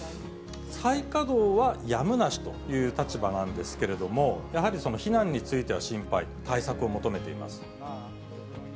再稼働はやむなしという立場なんですけれども、やはりその避難については心配、対策を求めています。